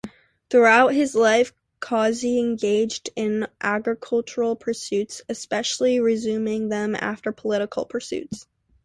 Throughout his life Causey engaged in agricultural pursuits, especially resuming them after political pursuits.